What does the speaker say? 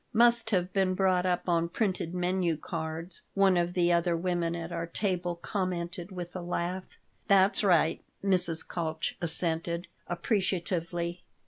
"Must have been brought up on printed menu cards," one of the other women at our table commented, with a laugh "That's right," Mrs. Kalch assented, appreciatively.